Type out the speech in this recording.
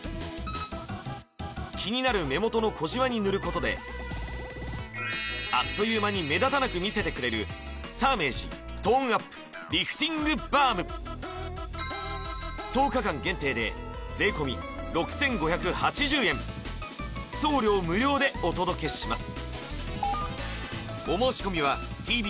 気になる目元の小じわに塗ることであっという間に目立たなく見せてくれるサーメージトーンアップリフティングバーム１０日間限定で税込６５８０円送料無料でお届けします